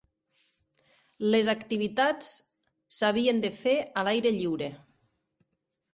Les activitats s'havien de fer a l'aire lliure.